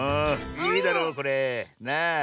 いいだろこれ。なあ。